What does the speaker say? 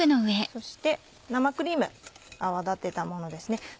そして生クリーム泡立てたものですね。